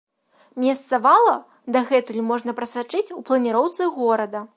Месца вала дагэтуль можна прасачыць у планіроўцы горада.